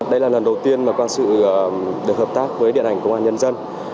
đây là lần đầu tiên mà quan sự được hợp tác với điện ảnh công an nhân dân